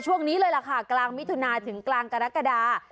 ช่วงนี้เลยล่ะค่ะกลางมิถุนาถึงกลางกรกฎา